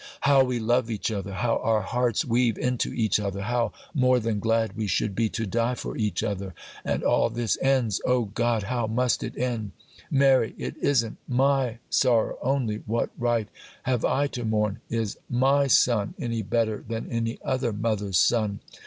How we love each other! how our hearts weave into each other! how more than glad we should be to die for each other! And all this ends—O God, how must it end? Mary! it isn't my sorrow only! What right have I to mourn? Is my son any better than any other mother's son?